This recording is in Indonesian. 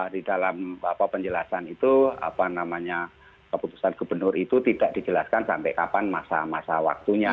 di dalam penjelasan itu apa namanya keputusan gubernur itu tidak dijelaskan sampai kapan masa masa waktunya